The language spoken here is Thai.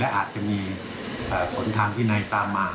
อาจจะมีผลทางที่ในตามมา